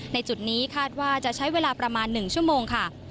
จุดนี้คาดว่าจะใช้เวลาประมาณ๑ชั่วโมงค่ะ